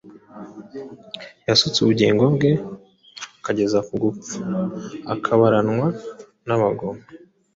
yasutse ubugingo bwe, akageza ku gupfa, akabaranwa n’abagome,